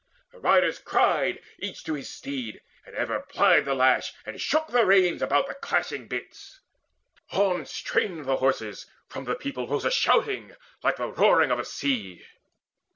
The riders cried Each to his steed, and ever plied the lash And shook the reins about the clashing bits. On strained the horses: from the people rose A shouting like the roaring of a sea.